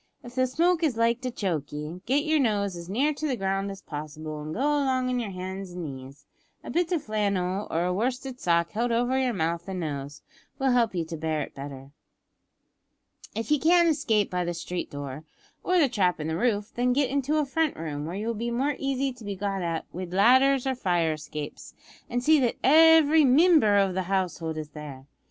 If the smoke is like to choke ye, git yer nose as near the ground as possible, an' go along on yer hands and knees. A bit o' flannel or a worsted sock held over yer mouth an' nose, will help you to bear it better. "If ye can't escape by the street door, or the trap in the roof, then get into a front room, where you will be more easy to be got at wid ladders or fire escapes, an' see that every mimber o' the household is there.